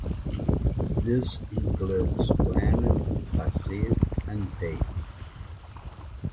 This includes planned, passive, and take.